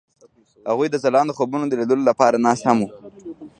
هغوی د ځلانده خوبونو د لیدلو لپاره ناست هم وو.